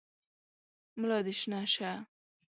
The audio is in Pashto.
ملا دي شنه شه !